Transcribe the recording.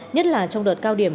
nhất là trong đợt cao điểm